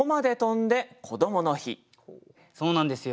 そうなんですよ